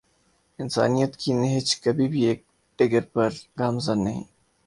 انسانیت کی نہج کبھی بھی ایک ڈگر پر گامزن نہیں